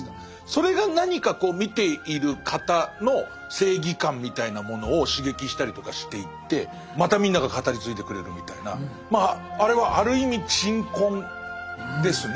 それが何か見ている方の正義感みたいなものを刺激したりとかしていってまたみんなが語り継いでくれるみたいなあれはある意味鎮魂ですね。